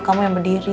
kamu yang berdiri